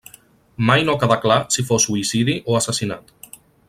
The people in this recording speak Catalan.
Mai no quedà clar si fou suïcidi o assassinat.